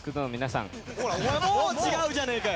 もう違うじゃねえかよ！